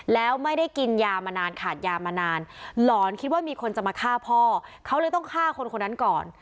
แล้วไม่ได้กินยามานานขาดยามานานหลอนคิดว่ามีคนจะมาฆ่าพ่อเขาเลยต้องฆ่าคนคนนั้นก่อน